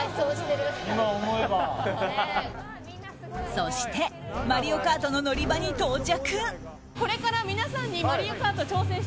そして、「マリオカート」の乗り場に到着。